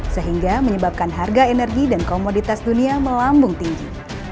sehingga menyebabkan harga energi dan komoditas dunia melambung tinggi